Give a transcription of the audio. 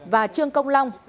và trương công long